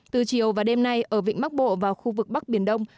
từ chiều và đêm nay ở vịnh bắc bộ và khu vực bắc biển đông